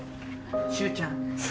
周ちゃん。